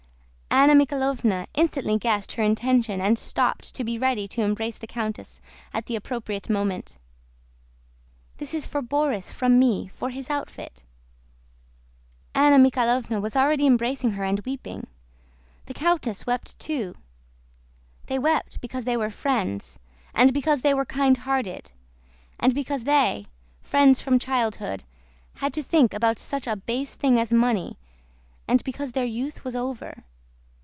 Anna Mikháylovna instantly guessed her intention and stooped to be ready to embrace the countess at the appropriate moment. "This is for Borís from me, for his outfit." Anna Mikháylovna was already embracing her and weeping. The countess wept too. They wept because they were friends, and because they were kindhearted, and because they—friends from childhood—had to think about such a base thing as money, and because their youth was over....